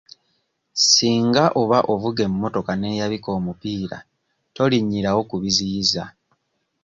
Singa oba ovuga emmotoka n'eyabika omupiira tolinnyirawo ku biziyiza.